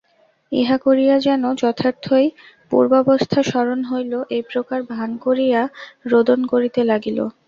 ইহা কহিয়া যেন যথার্থই পূর্বাবস্থা স্মরণ হইল এইপ্রকার ভান করিয়া রোদন করিতে লাগিল।